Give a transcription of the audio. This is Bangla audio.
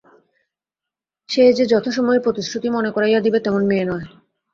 সে যে যথাসময়ে প্রতিশ্রুতি মনে করাইয়া দিবে তেমন মেয়ে নয়।